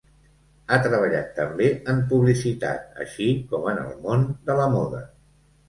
Ha treballat també en publicitat, així com en el món de la moda.